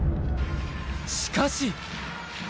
しかし。